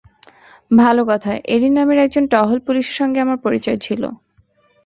ভালো কথা, এরিন নামের একজন টহল পুলিশের সঙ্গে আমার পরিচয় ছিল।